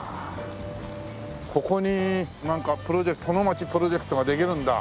ここになんかプロジェクト殿町プロジェクトができるんだ。